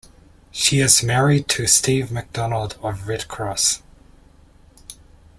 She is married to Steve McDonald of Redd Kross.